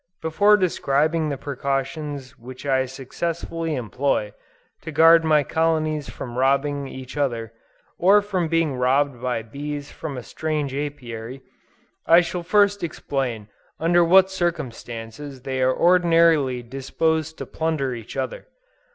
Before describing the precautions which I successfully employ, to guard my colonies from robbing each other, or from being robbed by bees from a strange Apiary, I shall first explain under what circumstances they are ordinarily disposed to plunder each other.